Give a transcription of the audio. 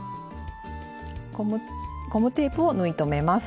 ゴムテープを縫い留めます。